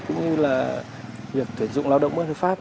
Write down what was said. cũng như là việc tuyển dụng lao động bất hợp pháp